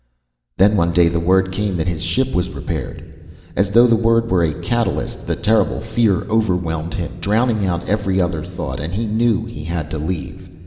Then one day the word came that his ship was repaired. As though the word were a catalyst the terrible fear overwhelmed him, drowning out every other thought, and he knew he had to leave.